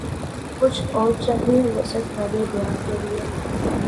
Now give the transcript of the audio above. کچھ اور چاہیے وسعت مرے بیاں کے لیے